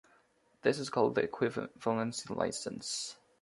This is called the equivalency license.